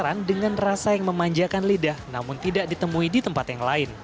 penasaran dengan rasa yang memanjakan lidah namun tidak ditemui di tempat yang lain